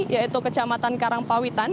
yaitu kecamatan karangpawitan